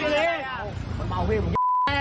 หลงหน้ากูด้วย